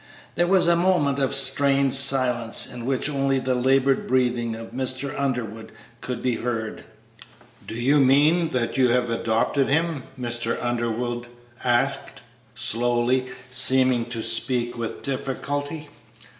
There, was a moment of strained silence in which only the labored breathing of Mr. Underwood could be heard. "Do you mean that you have adopted him?" Mr. Underwood asked, slowly, seeming to speak with difficulty.